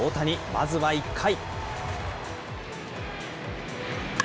まずは１回。